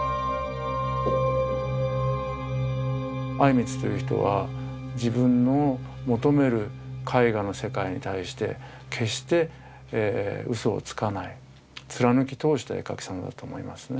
靉光という人は自分の求める絵画の世界に対して決してうそをつかない貫き通した絵描きさんだと思いますね。